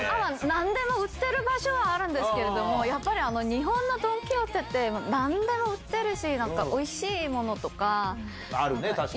なんでも売ってる場所はあるんですけど、やっぱり日本のドン・キホーテって、なんでも売ってるし、あるね、確かに。